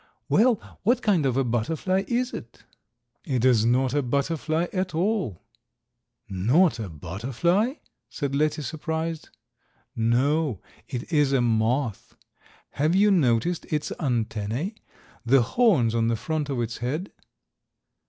"Well, what kind of a butterfly is it?" "It is not a butterfly at all." "Not a butterfly?" said Letty, surprised. "No; it is a moth. Have you noticed its antennae—the horns on the front of its head?"